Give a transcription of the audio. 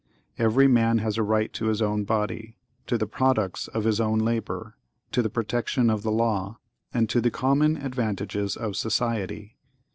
Every man has a right to his own body—to the products of his own labor—to the protection of the law—and to the common advantages of society.